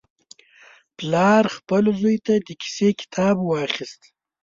پلار خپل زوی ته د کیسې کتاب واخیست.